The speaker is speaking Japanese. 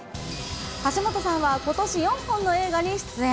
橋本さんはことし４本の映画に出演。